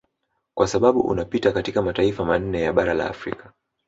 Kwa sababu unapita katika mataifa manne ya bara la Afrika